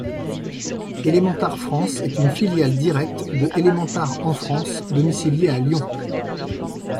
Elementar France est une filiale directe de Elementar en France, domicilié à Lyon.